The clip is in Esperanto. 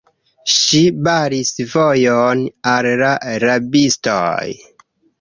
Ŝi baris vojon al la rabistoj.